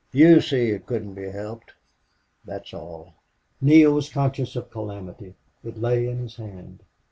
You see it couldn't be helped.... That's all...." Neale was conscious of calamity. It lay in his hand.